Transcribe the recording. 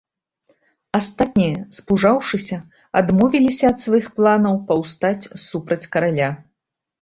Астатнія, спужаўшыся, адмовіліся ад сваіх планаў паўстаць супраць караля.